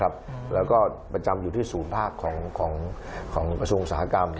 แล้วก็ประจำอยู่ที่ศูนย์ภาคของกระทรวงอุตสาหกรรม